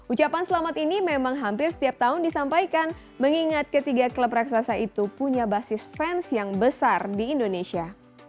ucapan selamat ini memang hampir setiap tahun disampaikan mengingat ketiga klub raksasa itu punya basis fans yang besar di indonesia